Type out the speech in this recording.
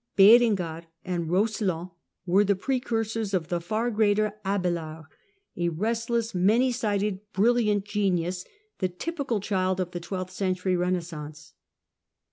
Berengar and Eoscelin were the precur sors of the far greater Abelard, a restless, many sided, brilliant genius, the typical child of the twelfth century Eenaissance.